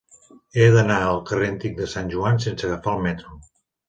He d'anar al carrer Antic de Sant Joan sense agafar el metro.